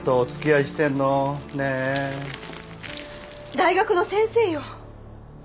大学の先生よ！